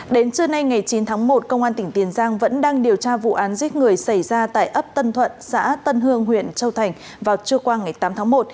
đến trưa nay ngày chín tháng một công an tỉnh tiền giang vẫn đang điều tra vụ án giết người xảy ra tại ấp tân thuận xã tân hương huyện châu thành vào trưa qua ngày tám tháng một